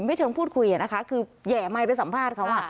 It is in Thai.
ไม่เชิงพูดคุยนะคะคือแห่ไมค์ไปสัมภาษณ์เขา